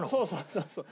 そうそう。